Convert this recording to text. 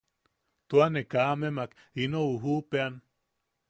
Tua, ne kaa amemak ino ujuʼupeʼean.